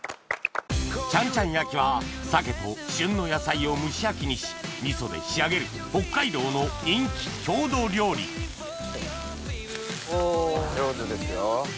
ちゃんちゃん焼きはサケと旬の野菜を蒸し焼きにし味噌で仕上げる北海道の人気郷土料理上手ですよ。